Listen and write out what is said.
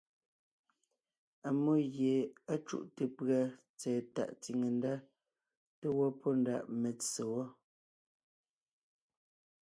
Ammó gie á cúte pʉ̀a tsɛ̀ɛ tàʼ tsìne ndá te gẅɔ́ pɔ́ ndaʼ metse wɔ́.